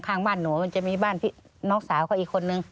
ข้างบ้านหนูมันจะมีบ้านพี่น้องสาวเขาอีกคนนึง